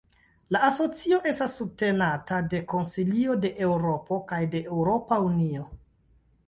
La asocio estas subtenata de Konsilio de Eŭropo kaj de Eŭropa Unio.